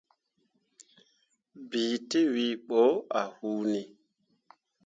Bii tewii ɓo ah hunni.